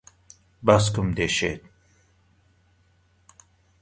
باسکم دێشێت.